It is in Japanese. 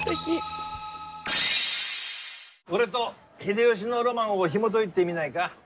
俺と秀吉のロマンをひも解いてみないか？